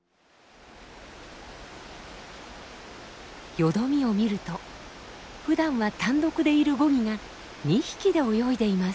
よどみを見るとふだんは単独でいるゴギが２匹で泳いでいます。